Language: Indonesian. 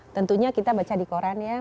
tentunya kita baca di koran ya